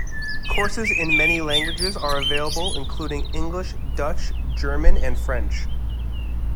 Courses in many languages are available, including English, Dutch, German, and French.